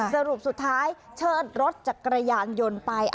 สรุปสุดท้ายเชิดรถจักรยานยนต์ไป